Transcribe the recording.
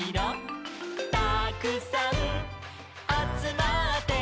「たくさんあつまって」